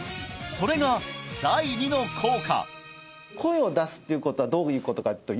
それが第二の効果